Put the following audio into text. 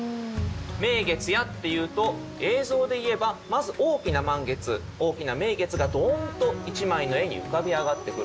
「名月や」っていうと映像でいえばまず大きな満月大きな名月がドーンと一枚の絵に浮かび上がってくる。